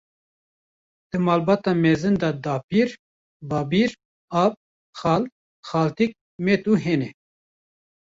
Di malbata mezin de dapîr, babîr, ap, xal, xaltîk, met û hene.